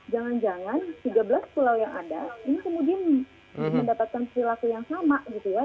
jangan jangan tiga belas pulau yang ada ini kemudian mendapatkan perilaku yang sama gitu ya